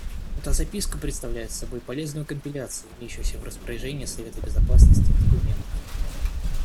Эта записка представляет собой полезную компиляцию имеющихся в распоряжении Совета Безопасности документов.